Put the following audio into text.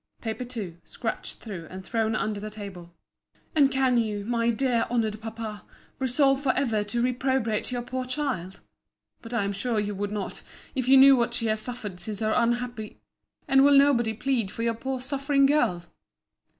PAPER II (Scratch'd through, and thrown under the table.) —And can you, my dear, honoured Papa, resolve for ever to reprobate your poor child?—But I am sure you would not, if you knew what she has suffered since her unhappy—And will nobody plead for your poor suffering girl?